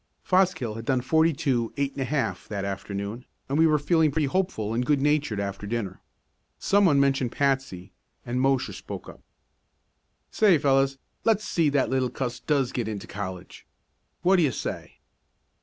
Fosgill had done forty two, eight and a half that afternoon and we were feeling pretty hopeful and good natured after dinner. Some, one mentioned Patsy, and Mosher spoke up: "Say, fellows, let's see that that little cuss does get into college. What do you say?"